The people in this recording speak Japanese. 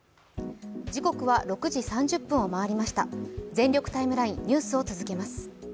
「全力ＴＩＭＥライン」、ニュースを続けます。